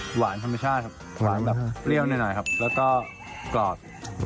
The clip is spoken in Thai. หวานธรรมชาติครับหวานแบบเปรี้ยวหน่อยครับแล้วก็กรอบ